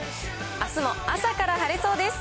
あすも朝から晴れそうです。